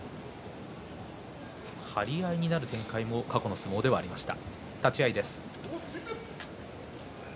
張り合いになる展開も過去はありました。